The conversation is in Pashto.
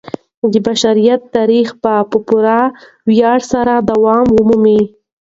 د بشریت تاریخ به په پوره ویاړ سره دوام ومومي.